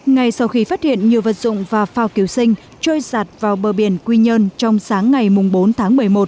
ngay sau khi phát hiện nhiều vật dụng và phao cứu sinh trôi giặt vào bờ biển quy nhơn trong sáng ngày bốn tháng một mươi một